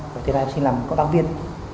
và thế là em xin làm công tác tiền